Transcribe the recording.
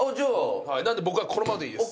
僕はこのままでいいです。